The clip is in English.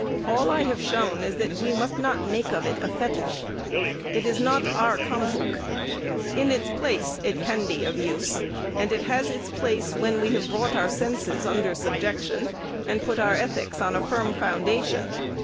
All I have shown is that we must not make of it a fetish. It is not our Kamdhuk. In its place it can be of use, and it has its place when we have brought our senses under subjection, and put our ethics on a firm foundation.